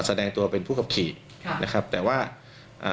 แสดงตัวเป็นผู้ขับขี่ค่ะนะครับแต่ว่าอ่า